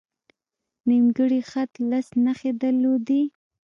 نیمګړی خط لس نښې درلودې.